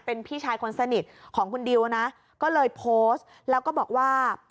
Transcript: เป็นพี่ชายคนสนิทของคุณดิวนะก็เลยโพสต์แล้วก็บอกว่า